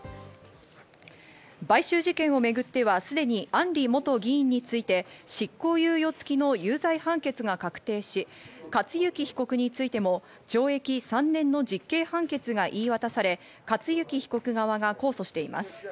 買収事件をめぐってはすでに案里元議員について執行猶予付きの有罪判決が確定し、克行被告についても懲役３年の実刑判決が言い渡され、克行被告側が控訴しています。